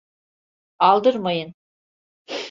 Aldırmayın.